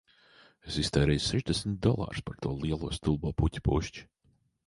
Es iztērēju sešdesmit dolārus par to lielo stulbo puķu pušķi